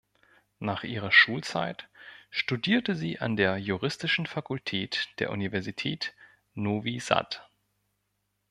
Nach ihrer Schulzeit studierte sie an der Juristischen Fakultät der Universität Novi Sad.